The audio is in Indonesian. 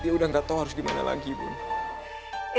dia udah gak tau harus dimana lagi bu